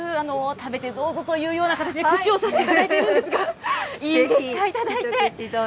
食べてどうぞというような形で、串を刺していただいているんですが、いいですか、頂いて。